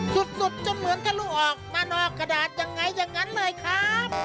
สุดจนเหมือนทะลุออกมานอกกระดาษยังไงอย่างนั้นเลยครับ